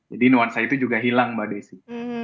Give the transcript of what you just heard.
jadi nuansa itu juga hilang mbak desy